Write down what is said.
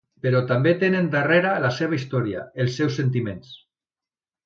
Però també tenen darrere la seva història, els seus sentiments.